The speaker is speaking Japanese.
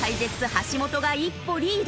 橋本が一歩リード。